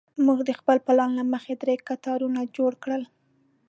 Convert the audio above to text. موږ د خپل پلان له مخې درې کتارونه جوړ کړل.